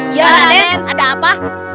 iya ada apa